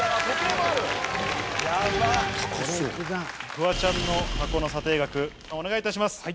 フワちゃんの箱の査定額お願いいたします。